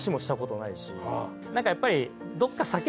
何かやっぱり。